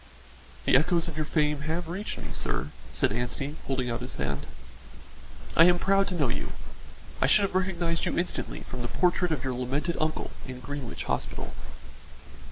"The echoes of your fame have reached me, sir," said Anstey, holding out his hand. "I am proud to know you. I should have recognised you instantly from the portrait of your lamented uncle in Greenwich Hospital."